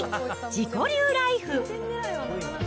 自己流ライフ。